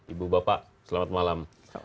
ibu bapak selamat malam